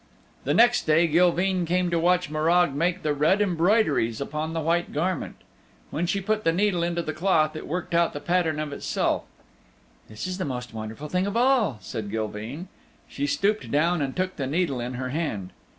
The next day Gilveen came to watch Morag make the red embroideries upon the white garment. When she put the needle into the cloth it worked out the pattern of itself. "This is the most wonderful thing of all," said Gilveen. She stooped down and took the needle in her hand.